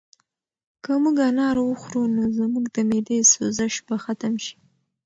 که موږ انار وخورو نو زموږ د معدې سوزش به ختم شي.